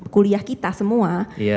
kuliah kita semua